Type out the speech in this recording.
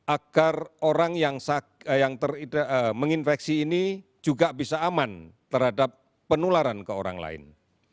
agar orang yang menginfeksi ini juga bisa aman terhadap penularan ke orang lain